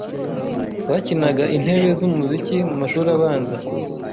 Twakinaga intebe zumuziki mumashuri abanza.